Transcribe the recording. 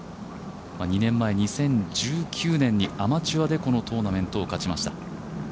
２年前、２０１９年にアマチュアでこのトーナメントを勝ちました。